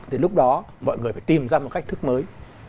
thì lúc đó mọi người phải tìm ra một cách thức mới